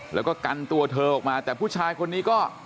แล้วก็กันตัวเธอออกมาแต่ผู้ชายคนนี้ก็